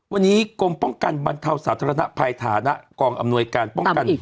วันนี้กรมป้องกันบรรเทาสาธารณภัยฐานะกองอำนวยการป้องกัน